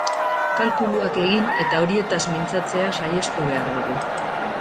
Kalkuluak egin eta horietaz mintzatzea sahiestu behar dugu.